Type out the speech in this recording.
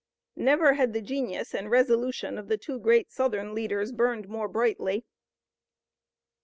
Never had the genius and resolution of the two great Southern leaders burned more brightly.